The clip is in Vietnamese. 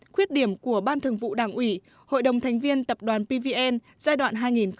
khuyết điểm của ban thường vụ đảng ủy hội đồng thành viên tập đoàn pvn giai đoạn hai nghìn chín hai nghìn một mươi một